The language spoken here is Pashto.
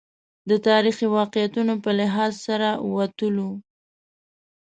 د تاریخي واقعیتونو په لحاظ سره وتلو.